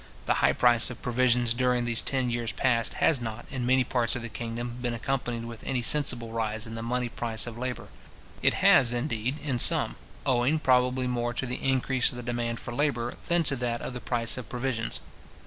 The high price of provisions during these ten years past, has not, in many parts of the kingdom, been accompanied with any sensible rise in the money price of labour. It has, indeed, in some; owing, probably, more to the increase of the demand for labour, than to that of the price of provisions.